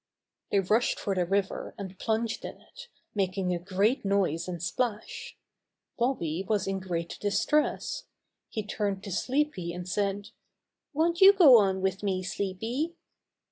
They rushed for the river and plunged in it, making a great noise and splash. Bobby was in great distress. He turned to Sleepy, and said: "Won't you go on with me, Sleepy?"